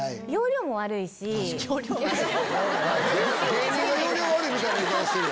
芸人が要領悪いみたいな言い方してるやん。